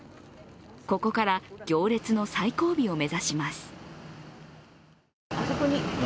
ここから行列の最後尾を目指します。